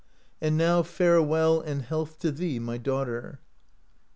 And now fare well and health to thee, my daughter!"